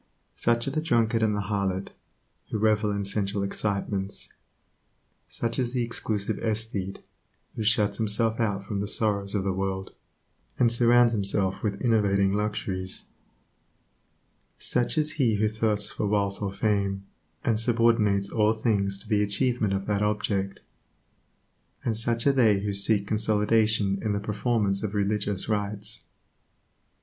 Such are the drunkard and the harlot, who revel in sensual excitements; such is the exclusive aesthete, who shuts himself out from the sorrows of the world, and surrounds himself with enervating luxuries; such is he who thirsts for wealth or fame, and subordinates all things to the achievement of that object; and such are they who seek consolation in the performance of religious rites.